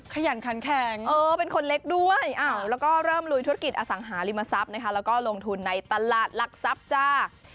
ขยันขันแข็งเป็นคนเล็กด้วยแล้วก็เริ่มลุยธุรกิจอสังหาริมทรัพย์นะคะแล้วก็ลงทุนในตลาดหลักทรัพย์จ้า